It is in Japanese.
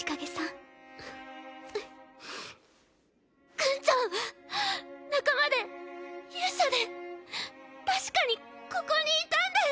ぐんちゃんは仲間で勇者で確かにここにいたんだよ。